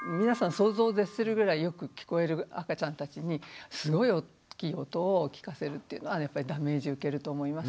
想像絶するぐらいよく聞こえる赤ちゃんたちにすごい大きい音を聞かせるっていうのはやっぱりダメージ受けると思います。